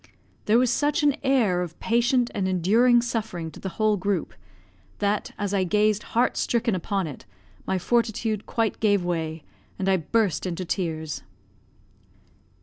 There was such an air of patient and enduring suffering to the whole group, that, as I gazed heart stricken upon it, my fortitude quite gave way, and I burst into tears.